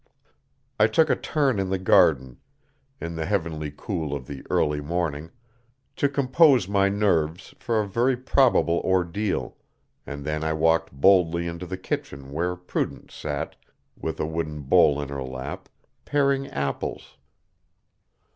I took a turn in the garden, in the heavenly cool of the early morning, to compose my nerves for a very probable ordeal, and then I walked boldly into the kitchen where Prudence sat, with a wooden bowl in her lap, paring apples.